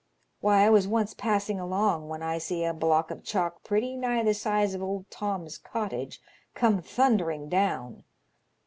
Why, I was once passing along when I see a block of chalk pretty nigh the size of old Tom's cottage come thundering down.